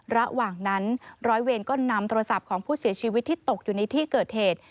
ระหว่างนั้นร้อยเวรก็นำโทรศัพท์ของผู้เสียชีวิตที่ตกอยู่ในที่เกิดเหตุ